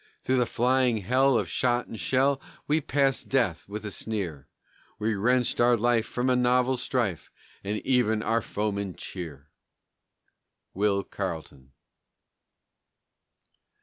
"Through a flying hell of shot and shell, We passed Death, with a sneer; We wrenched our life from a novel strife, And even our foemen cheer!" WILL CARLETON.